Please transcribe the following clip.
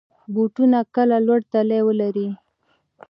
بوټونه کله لوړ تلي ولري.